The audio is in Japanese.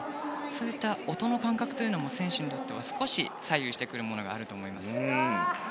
そういった音の感覚というのも選手にとっては少し左右してくるものがあると思います。